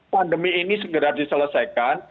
pandemi ini segera diselesaikan